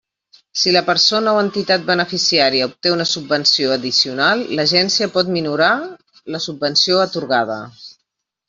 Si la persona o entitat beneficiària obté una subvenció addicional, l'Agència pot minorar la subvenció atorgada.